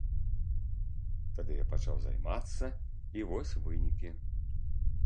Тады я пачаў займацца, і вось вынікі.